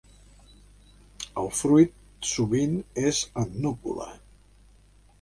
El fruit sovint és en núcula.